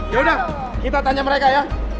ya udah kita tanya mereka ya